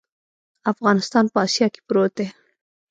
افغانستان په اسیا کې پروت دی.